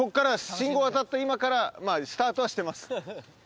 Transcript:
信号渡った今からスタートはしてます。